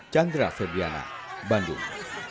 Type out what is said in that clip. chandra febriana bandung